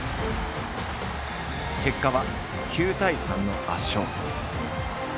結果は９対３の圧勝。